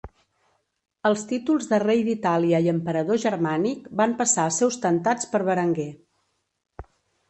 Els títols de rei d'Itàlia i Emperador Germànic van passar a ser ostentats per Berenguer.